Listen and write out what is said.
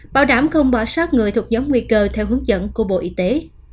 bảo đảm không bỏ sát người thuộc nhóm nguy cơ theo hướng dẫn của bộ y tế